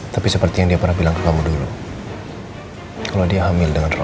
tapi seperti yang dia pernah bilang ke kamu dulu kalau dia ambil dengan kamu